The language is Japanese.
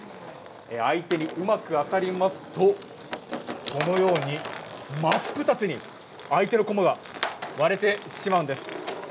相手にうまく当たりますとこのように真っ二つに相手のこまが割れてしまうんです。